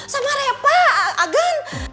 sama repa agan